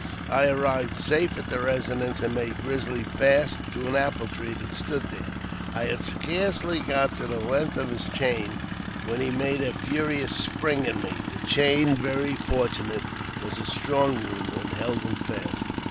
I arrived safe at the residence, and made Grizzly fast to an apple tree that stood there. I had scarcely got to the length of his chain, when he made a furious spring at me ; the chain. Very fortunately, was a strong one, and held him fast.